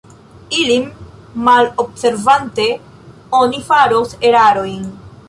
Ilin malobservante oni faros erarojn.